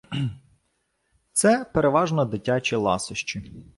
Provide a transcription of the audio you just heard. Це переважно дитячі ласощі.